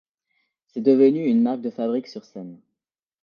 C'est devenu une marque de fabrique sur scène.